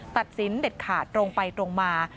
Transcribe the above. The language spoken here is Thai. ตัดสินเด็ดขาดตรงไปตรงมา